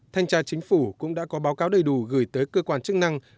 thanh tra chính phủ cũng đã có báo cáo đầy đủ gửi tới cơ quan chức năng